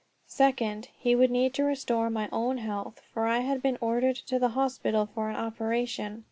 Second, he would need to restore my own health, for I had been ordered to the hospital for an operation.